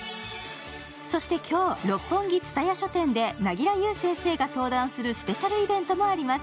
そして今日、六本木蔦屋書店で凪良ゆう先生が登壇するスペシャルイベントもあります。